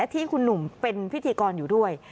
ที่คุณหนุ่มเป็นพิธีกรอยู่ด้วย